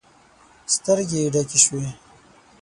سترګې يې ډکې شوې.